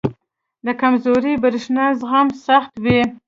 • د کمزوري برېښنا زغم سخت وي.